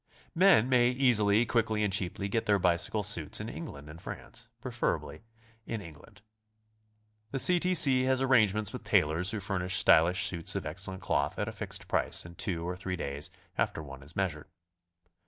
Men may easily, quickly and cheaply get their bicycle suits in England or France, preferably in England. The C. T. C. has arrangements with tailors who furnish stylish suits of excellent cloth at a fixed price in two or three days after one is measured.